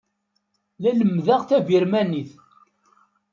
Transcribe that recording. La lemmdeɣ tabirmanit.